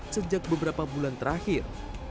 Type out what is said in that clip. sejak beberapa bulan terakhir